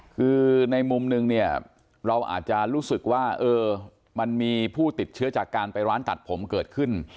คือในมุมนึงเนี่ยเราอาจจะรู้สึกว่ามันมีผู้ติดเชื้อจากการไปร้านตัดผมเกิดขึ้น